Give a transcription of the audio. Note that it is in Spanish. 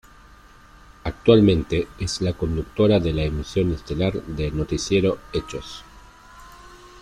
Actualmente es la conductora de la emisión estelar de Noticiero Hechos.